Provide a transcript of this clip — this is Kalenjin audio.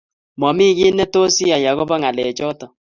Mami giiy netos iyae agoba ngalechoto